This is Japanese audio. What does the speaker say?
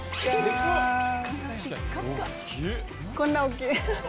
こんな大きい。